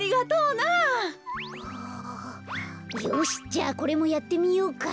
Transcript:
よしじゃあこれもやってみようか。